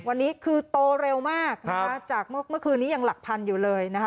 วันนี้คือโตเร็วมากนะคะจากเมื่อคืนนี้ยังหลักพันอยู่เลยนะคะ